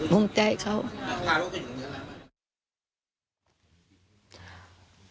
เมื่อกี๊